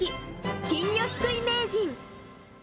金魚すくい名人。